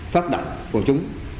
phát động của chúng